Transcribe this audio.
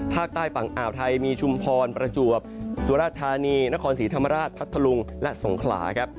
ภาคใต้ฝั่งอ่าวไทยมีชุมพรประจวบสุรธานีนครศรีธรรมราชพัทธลุงและสงขลาครับ